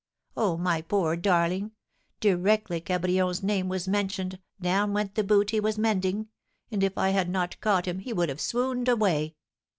Oh, my poor darling! Directly Cabrion's name was mentioned down went the boot he was mending, and if I had not caught him he would have swooned away.